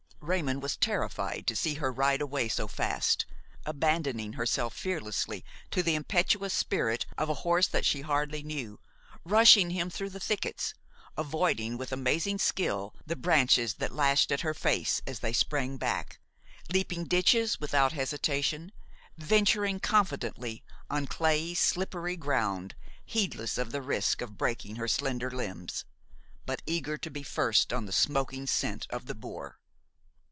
Raymon was terrified to see her ride away so fast, abandoning herself fearlessly to the impetuous spirit of a horse that she hardly knew, rushing him through the thickets, avoiding with amazing skill the branches that lashed at her face as they sprang back, leaping ditches without hesitation, venturing confidently on clayey, slippery ground, heedless of the risk of breaking her slender limbs, but eager to be first on the smoking scent of the boar.